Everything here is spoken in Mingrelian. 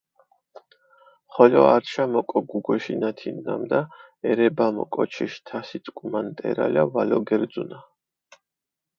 ხოლო ართშა მოკო გუგოშინათინ, ნამდა ერებამო კოჩიშ თასიწკუმა ნტერალა ვალო გერძუნა.